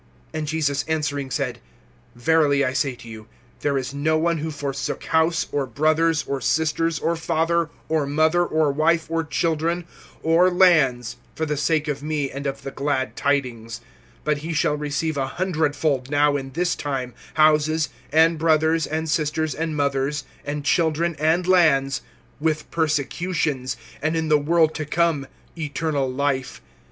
(29)And Jesus answering said: Verily I say to you, there is no one who forsook house, or brothers, or sisters, or father, or mother, or wife, or children, or lands, for the sake of me and of the glad tidings, (30)but he shall receive a hundredfold now in this time, houses, and brothers, and sisters, and mothers, and children, and lands, with persecutions, and in the world to come eternal life.